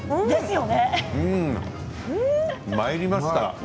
うん、まいりました。